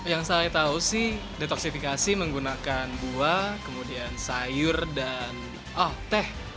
yang saya tahu sih detoksifikasi menggunakan buah kemudian sayur dan teh